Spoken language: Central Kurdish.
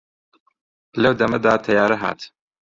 لەو دەمەدا تەیارە هات